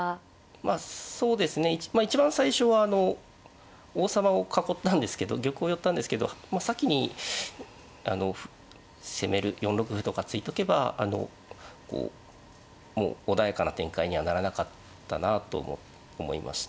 まあそうですね一番最初はあの王様を囲ったんですけど玉を寄ったんですけど先に攻める４六歩とか突いとけばあのこうもう穏やかな展開にはならなかったなと思いました。